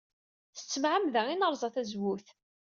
S tmeɛmada ay nerẓa tazewwut.